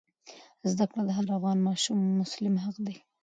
زده کړه د هر افغان ماشوم مسلم حق دی.